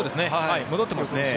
戻ってますね。